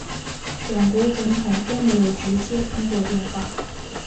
两国总统都没有直接通过电话